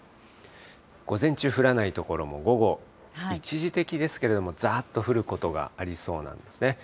午前中降らない所も、午後、一時的ですけれども、ざーっと降ることがありそうなんですね。